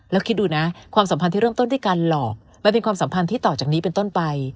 แล้วคิดดูนะความสัมพันธ์ที่เริ่มต้นด้วยการหลอกมันเป็นความสัมพันธ์ที่ต่อจากนี้เป็นต้นไป